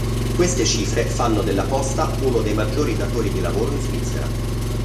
Queste cifre fanno della Posta uno dei maggiori datori di lavoro in Svizzera.